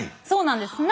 そうなんです。